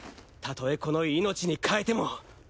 たとえこの命にかえても。